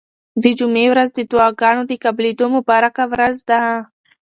د جمعې ورځ د دعاګانو د قبلېدو مبارکه ورځ ده.